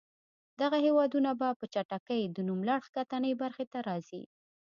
دغه هېوادونه به په چټکۍ د نوملړ ښکتنۍ برخې ته راځي.